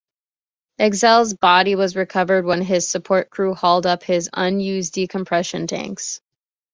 Exley's body was recovered when his support crew hauled up his unused decompression tanks.